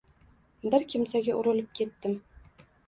Bir kimsaga urilib ketdim